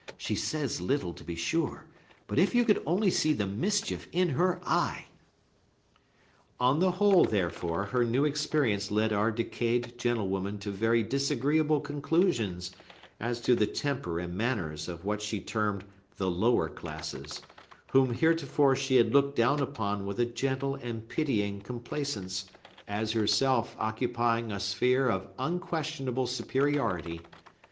She says little, to be sure; but if you could only see the mischief in her eye!" On the whole, therefore, her new experience led our decayed gentlewoman to very disagreeable conclusions as to the temper and manners of what she termed the lower classes, whom heretofore she had looked down upon with a gentle and pitying complaisance, as herself occupying a sphere of unquestionable superiority.